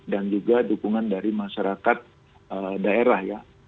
dan juga dukungan dari masyarakat daerah ya